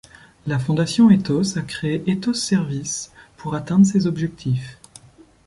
La Fondation Ethos a créé Ethos Services pour atteindre ses objectifs.